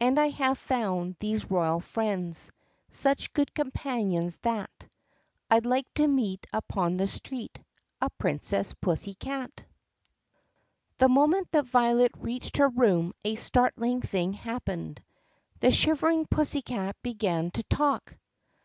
And I have found these royal friends Such good companions that I ' d like to meet upon the street A princess pussycat ! HE moment that Violet reached her room a startling thing happened. The shivering pussycat began to talk!